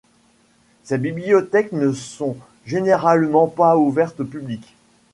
Ces bibliothèques ne sont généralement pas ouvertes au public.